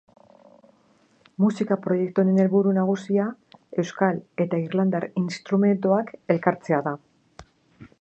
Musika proiektu honen helburu nagusia euskal eta irlandar instrumentuak elkartzea da.